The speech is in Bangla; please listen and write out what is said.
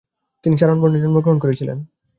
তিনি চারণ বর্ণে জন্মগ্রহণ করেছিলেন।